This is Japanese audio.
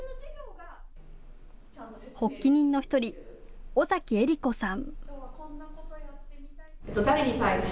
発起人の１人、尾崎えり子さん。